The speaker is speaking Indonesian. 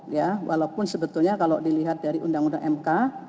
ya walaupun sebetulnya kalau dilihat dari undang undang mk